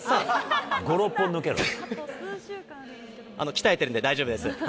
５、鍛えてるんで大丈夫です。